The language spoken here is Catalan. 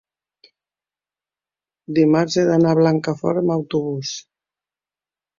dimarts he d'anar a Blancafort amb autobús.